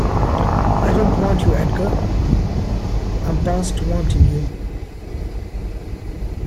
I don’t want you, Edgar: I’m past wanting you.